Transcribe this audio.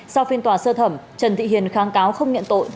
sau phiên tòa sơ thẩm trần thị hiền kháng cáo không nhận tội